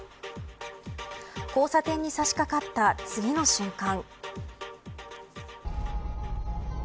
交差点に差しかかった次の瞬間。